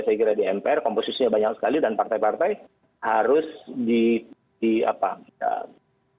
saya kira di mpr komposisinya banyak sekali dan partai partai harus di apa